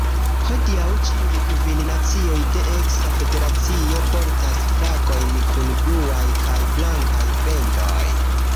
Hodiaŭ ĉiuj kvin nacioj de eksa federacio portas flagojn kun bluaj kaj blankaj bendoj.